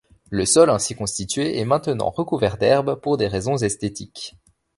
Le sol ainsi constitué est maintenant recouvert d'herbe pour des raisons esthétiques.